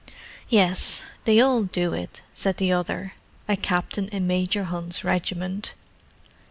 "Yes—they all do it," said the other—a captain in Major Hunt's regiment.